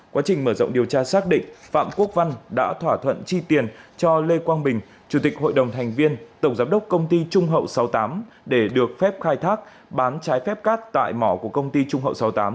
quá trình mở rộng điều tra xác định phạm quốc văn đã thỏa thuận chi tiền cho lê quang bình chủ tịch hội đồng thành viên tổng giám đốc công ty trung hậu sáu mươi tám để được phép khai thác bán trái phép cát tại mỏ của công ty trung hậu sáu mươi tám